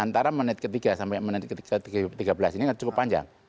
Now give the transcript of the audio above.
antara menit ketiga sampai menit tiga belas ini cukup panjang